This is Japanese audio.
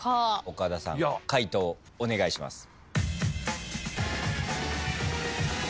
岡田さん解答お願いします。